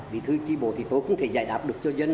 vì thư tri bổ thì tôi không thể giải đáp được cho dân